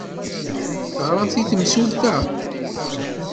Teɣramt i temsulta?